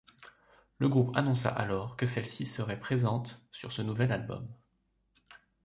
Le groupe annonça alors que celle-ci serait présente sur ce nouvel album.